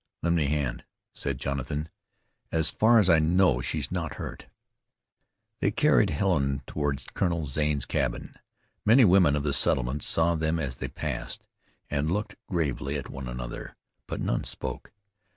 "Lend a hand," said Jonathan. "As far as I know she's not hurt." They carried Helen toward Colonel Zane's cabin. Many women of the settlement saw them as they passed, and looked gravely at one another, but none spoke.